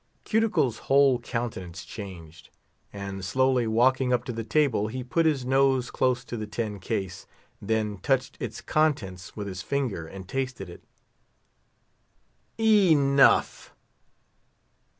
Cuticle's whole countenance changed; and, slowly walking up to the table, he put his nose close to the tin case, then touched its contents with his finger and tasted it. Enough.